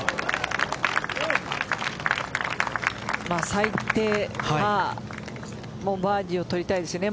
最低パーバーディーを取りたいですよね。